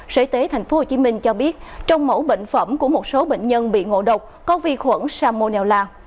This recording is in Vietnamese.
sở y tế tp hcm cho biết trong mẫu bệnh phẩm của một số bệnh nhân bị ngộ độc có vi khuẩn salmonella